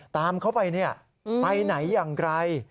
ตามเขาไปไปไหนอย่างไร